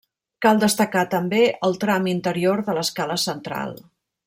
Cal destacar, també, el tram interior de l'escala central.